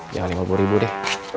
ya lima puluh ribu deh